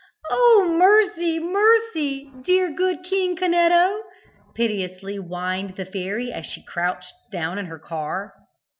"Oh, mercy, mercy, dear, good King Canetto!" piteously whined the fairy, as she crouched down in her car.